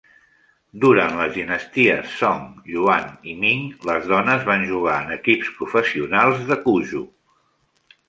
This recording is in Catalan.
Durant les dinasties Song, Yuan i Ming, les dones van jugar en equips professionals de Cuju.